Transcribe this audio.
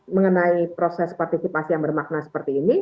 mengenai proses partisipasi yang bermakna seperti ini